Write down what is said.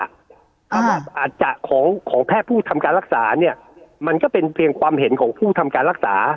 อาจจะของแพทย์ผู้ทำการรักษาเนี่ยมันก็เป็นเพียงความเห็นของผู้ทำการรักษา